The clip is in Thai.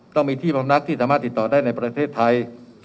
ต้องมีที่บำนักที่สามารถติดต่อได้ในประเทศไทย